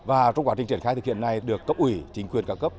và trong quá trình triển khai thực hiện này được cấp ủy chính quyền cao cấp